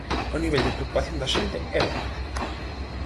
O nivel de preocupación da xente é moi alto.